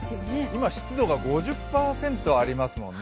今湿度が５０％ありますよね。